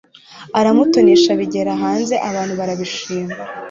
aramutonesha bigera hanze abantu barabishima